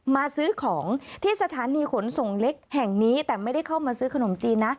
มาซื้อของที่สถานีขนส่งเล็กแห่งนี้แต่ไม่ได้เข้ามาซื้อขนมจีนนะ